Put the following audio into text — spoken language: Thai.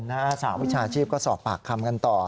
สหวิชาชีพก็สอบปากคำกันต่อ